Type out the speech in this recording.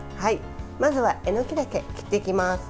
まずはえのきだけ切っていきます。